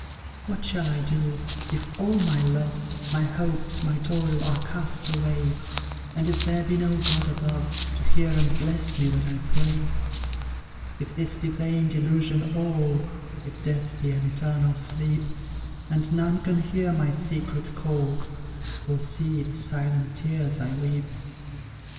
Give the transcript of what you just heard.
What shall I do, if all my love, My hopes, my toil, are cast away, And if there be no God above, To hear and bless me when I pray? If this be vain delusion all, If death be an eternal sleep, And none can hear my secret call, Or see the silent tears I weep!